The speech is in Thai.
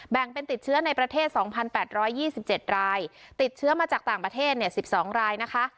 แบ่งเป็นติดเชื้อในประเทศสองพันแปดร้อยยี่สิบเจ็ดรายติดเชื้อมาจากต่างประเทศเนี่ยสิบสองรายนะคะ